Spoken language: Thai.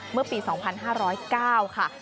เมื่อปี๒๕๐๙ค่ะ